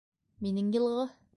Минең йылғы.